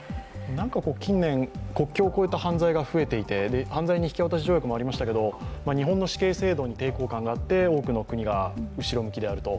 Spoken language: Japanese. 近年、国境を越えた犯罪が増えていて犯罪人引き渡し条約もありましたけれども日本の死刑制度に抵抗感があって、多くの国が後ろ向きであると。